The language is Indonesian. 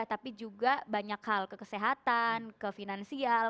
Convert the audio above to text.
tapi juga banyak hal ke kesehatan ke finansial